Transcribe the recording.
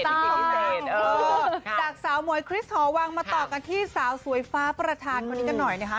จากสาวหมวยคริสหอวังมาต่อกันที่สาวสวยฟ้าประธานคนนี้กันหน่อยนะคะ